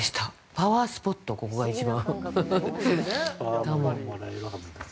パワースポット、ここが一番。